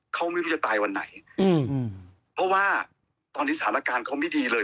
เขาไม่รู้จะตายวันไหนอืมเพราะว่าตอนนี้สถานการณ์เขาไม่ดีเลย